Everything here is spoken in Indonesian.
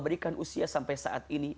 berikan usia sampai saat ini